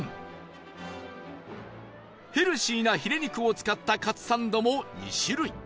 ヘルシーなヒレ肉を使ったかつサンドも２種類